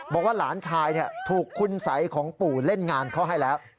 บอกว่าหลานชายถูกคุณสัยของปู่เล่นงานเขาให้แล้ว